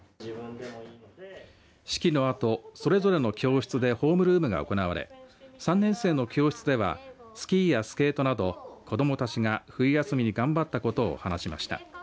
式のあと、それぞれの教室でホームルームが行われ３年生の教室ではスキーやスケートなど子どもたちが冬休みに頑張ったことを話しました。